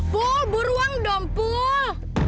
pul buruang dong pul